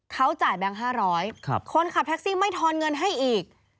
เขาจ่ายแบงค์๕๐๐คนขับแท็กซี่ไม่ทอนเงินให้อีก